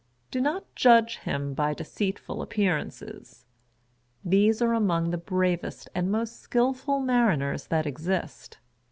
Do not judge him by deceitful appearances. These are among the bravest and most skilful mariners that exist.